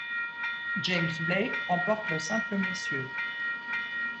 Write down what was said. James Blake remporte le simple messieurs.